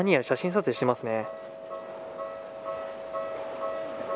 何やら写真撮影していますね。